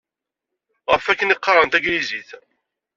Ɣef akken i qqaren taglizit.